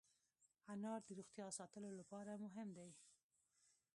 انار د روغتیا ساتلو لپاره مهم دی.